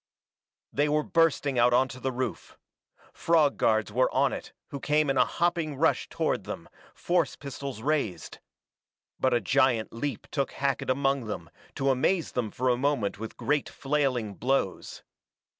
They were bursting out onto the roof. Frog guards were on it who came in a hopping rush toward them, force pistols raised. But a giant leap took Hackett among them, to amaze them for a moment with great flailing blows.